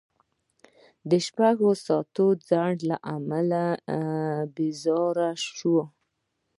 د شپږ ساعته ځنډ له امله بېزاره شوو.